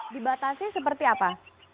dibatasi seperti apa